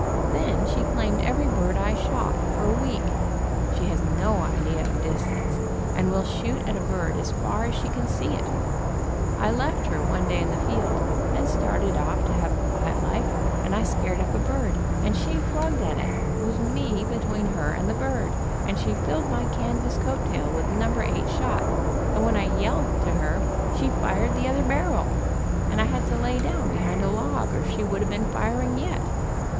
Then she cjaimed every bird I shot, for a week. She has no idea of distance, and will shoot at a bird as far as she can see it. I left her one day in the field, and started off to have a quiet life, and I scared up a bird, and she pVngged at it, with me between her and the bird, and She stepped on the trigger. AN EXPERIMENTAL TURKISH BATH 65 she filled my canvas coat tail with No. 8 shot, and when I yelled to her she fired the other barrel and I had to lay down behind a log or she would have been firing yet.